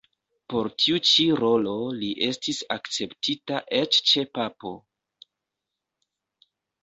Por tiu ĉi rolo li estis akceptita eĉ ĉe papo.